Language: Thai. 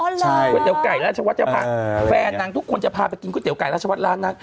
ก๋วยเตี๋ยวไก่ราชวัดจะพาแฟนนางทุกคนจะพาไปกินก๋วเตี๋ไก่ราชวัดร้านนาง